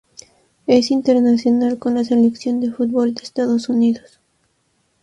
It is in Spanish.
Es internacional con la Selección de fútbol de Estados Unidos.